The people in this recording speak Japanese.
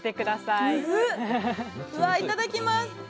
いただきます。